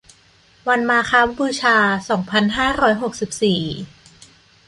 วันมาฆบูชา สองพันห้าร้อยหกสิบสี่